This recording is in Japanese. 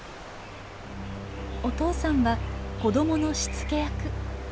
お父さんは子どものしつけ役。